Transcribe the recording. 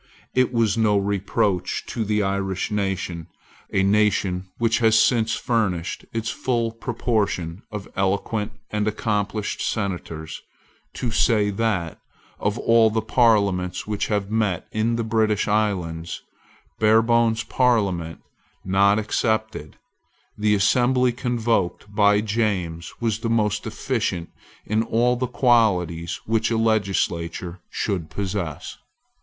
It is no reproach to the Irish nation, a nation which has since furnished its full proportion of eloquent and accomplished senators, to say that, of all the parliaments which have met in the British islands, Barebone's parliament not excepted, the assembly convoked by James was the most deficient in all the qualities which a legislature should possess.